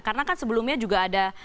karena kan sebelumnya juga ada